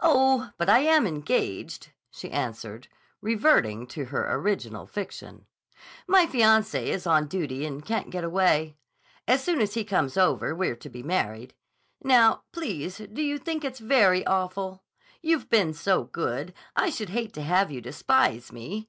"Oh, but I am engaged," she answered, reverting to her original fiction. "My fiancé is on duty and can't get away. As soon as he comes over we're to be married. Now, please, do you think it's very awful? You've been so good, I should hate to have you despise me."